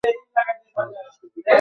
সহজ জিনিসকে জটিল মনে হয়।